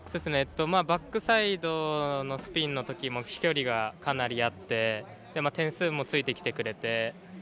バックサイドのスピンのときも飛距離がかなりあって点数もついてきてくれて。